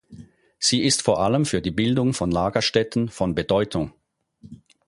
Sie ist vor allem für die Bildung von Lagerstätten von Bedeutung.